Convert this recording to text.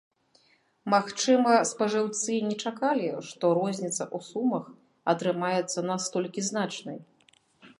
Магчыма, спажыўцы не чакалі, што розніца ў сумах атрымаецца настолькі значнай.